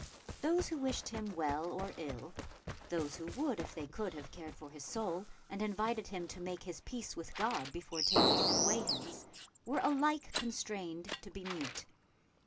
Those who wished him well or ill, those who would if they could have cared for his soul and invited him to make his peace with God before taking his way hence, were alike constrained to be mute.